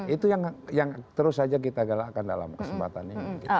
itu yang terus saja kita galakkan dalam kesempatannya